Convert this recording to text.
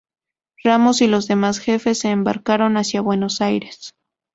Ramos y los demás jefes se embarcaron hacia Buenos Aires.